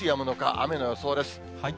雨の予想です。